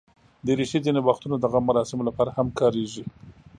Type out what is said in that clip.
دریشي ځینې وختونه د غم مراسمو لپاره هم کارېږي.